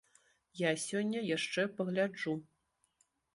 Я сёння яшчэ пагляджу.